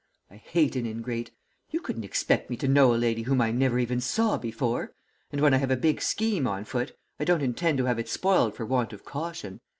I hate an ingrate. You couldn't expect me to know a lady whom I never even saw before, and when I have a big scheme on foot I do not intend to have it spoiled for want of caution.